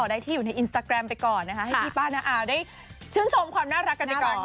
หล่อได้ที่อยู่ในไปก่อนนะคะให้พี่ปานาอาได้ชื่นชมความน่ารักกันไปก่อน